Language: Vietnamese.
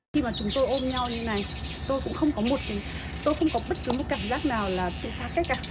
khi mà chúng tôi ôm nhau như này tôi cũng không có bất cứ một cảm giác nào là sự xa cách